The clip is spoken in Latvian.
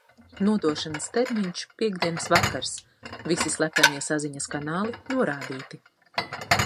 Nodošanas termiņš - piektdienas vakars. Visi slepenie saziņas kanāli norādīti.